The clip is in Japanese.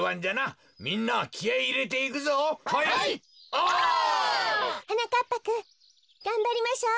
お！はなかっぱくんがんばりましょう。